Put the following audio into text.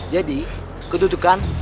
jadi kedudukan dua